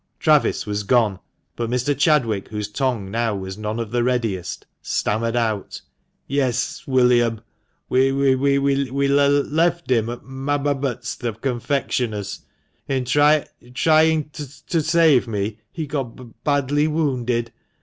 Travis was gone, but Mr. Chadwick, whose tongue now was none of the readiest, stammered out —" Yes, William, w we le ft him at Mab bott the confectioner's. In try ying to o save me he got b badly wounded.